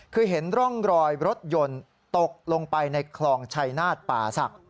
คือเห็นร่องรอยรถยนต์ตกลงไปในคลองชัยนาฏป่าศักดิ์